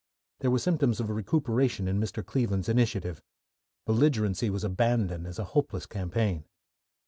There were symptoms of recuperation in Mr. Cleveland's initiative. Belligerency was abandoned as a hopeless campaign.